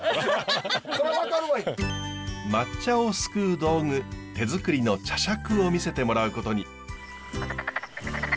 抹茶をすくう道具手づくりの茶しゃくを見せてもらうことに。